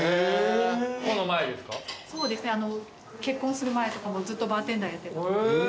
そうですね結婚する前とかもずっとバーテンダーやってた。